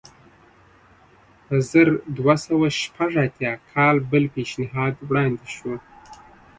په زر دوه سوه شپږ اتیا کال بل پېشنهاد وړاندې شو.